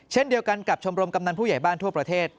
เช่นเดียวกันกับชมรมกำนันผู้ใหญ่บ้านทั่วประเทศ